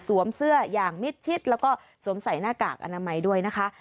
เสื้ออย่างมิดชิดแล้วก็สวมใส่หน้ากากอนามัยด้วยนะคะ